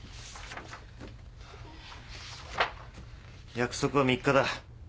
約束は３日だ。